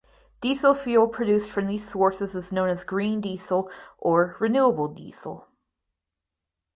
Diesel fuel produced from these sources is known as "green diesel" or "renewable diesel".